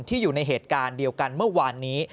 อยู่ในเหตุการณ์เดียวกันเมื่อวานนี้